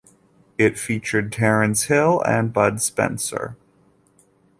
It featured Terence Hill and Bud Spencer.